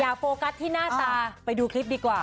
โฟกัสที่หน้าตาไปดูคลิปดีกว่า